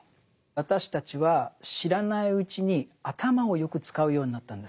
私たちは知らないうちに頭をよく使うようになったんです。